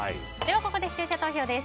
ここで視聴者投票です。